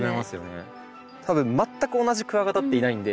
多分全く同じクワガタっていないんで。